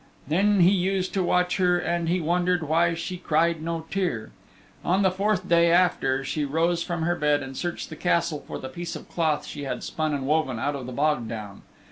Then he used to watch her and he wondered why she cried no tear. On the fourth day after she rose from her bed and searched the Castle for the piece of cloth she had spun and woven out of the bog down.